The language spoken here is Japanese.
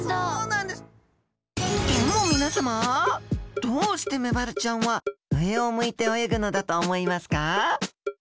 でも皆様どうしてメバルちゃんは上を向いて泳ぐのだと思いますか？